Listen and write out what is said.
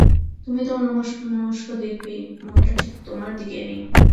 তুমি তো অন্যমনস্ক দেখবেই, মনটা ঠিক তোমার দিকে নেই।